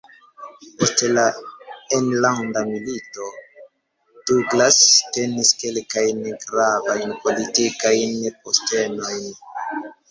Post la Enlanda Milito, Douglass tenis kelkajn gravajn politikajn postenojn.